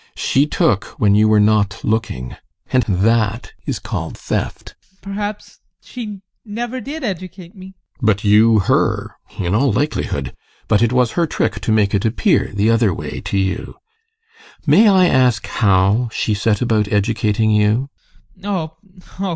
She took when you were not looking, and that is called theft. ADOLPH. Perhaps she never did educate me? GUSTAV. But you her? In all likelihood! But it was her trick to make it appear the other way to you. May I ask how she set about educating you?